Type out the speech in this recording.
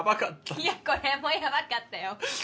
いやこれもやばかったよ。